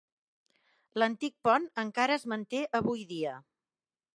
L'antic pont encara es manté avui dia.